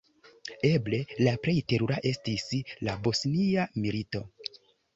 Eble la plej terura estis la Bosnia Milito.